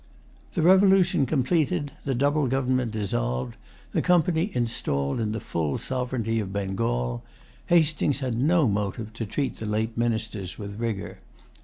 The revolution completed, the double government dissolved, the Company installed in the full sovereignty of Bengal, Hastings had no motive to treat the late ministers with rigor.